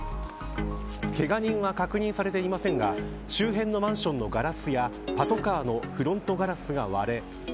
けが人は確認されていませんが周辺のマンションのガラスやパトカーのフロントガラスが割れ